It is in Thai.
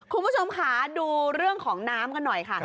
คุณผู้ชมค่ะดูเรื่องของน้ำกันหน่อยค่ะ